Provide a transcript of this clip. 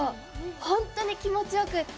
本当に気持ちよくって。